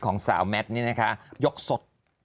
ของสาวแมทนี่นะคะยกสด